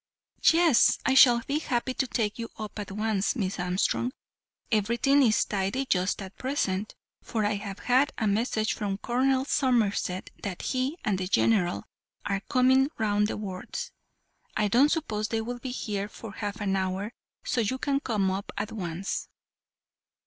"Yes, I shall be happy to take you up at once, Miss Armstrong. Everything is tidy just at present, for I have had a message from Colonel Somerset that he and the General are coming round the wards. I don't suppose they will be here for half an hour, so you can come up at once."